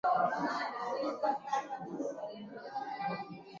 na kuwapa uraia rasmi Walakini kuna sababu